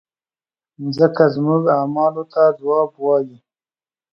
مځکه زموږ اعمالو ته ځواب وایي.